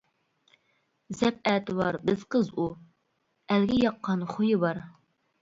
زەپ ئەتىۋار بىز قىز ئۇ، ئەلگە ياققان خۇيى بار.